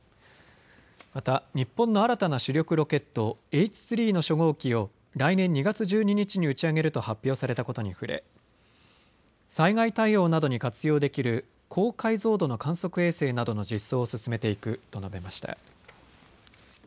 また日本の新たな主力ロケット、Ｈ３の初号機を来年２月１２日に打ち上げると発表されたことに触れ、災害対応などに活用できる高解像度の観測衛星などの実装を進めていくと述べました。